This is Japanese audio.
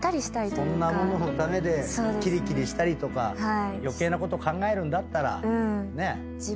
そんなもののためにきりきりしたりとか余計なこと考えるんだったら。